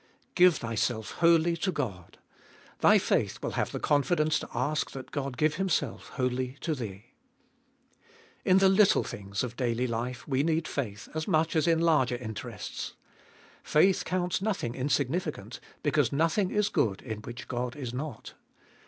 2. Give thyself wholly to God— thy faith will have the confidence to ash that God give Himself wholly to thee. 3. In the little things of daily life we need faith as much as in larger interests. Faith counts nothing insignificant, because nothing is good in which God is not.